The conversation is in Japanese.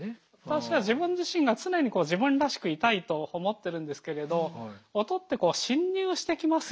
私は自分自身が常に自分らしくいたいと思ってるんですけれど音って侵入してきますよね